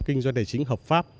kinh doanh tài chính hợp pháp